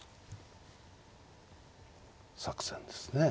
作戦ですね。